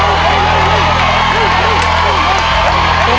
เร็ว